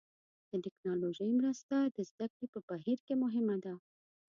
د ټکنالوژۍ مرسته د زده کړې په بهیر کې مهمه ده.